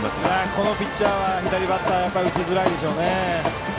このピッチャーは左バッターは打ちづらいでしょうね。